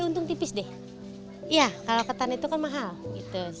untung tipis deh iya kalau ketemu aku beli gitu jadi aku beli juga kalau ketemu aku beli juga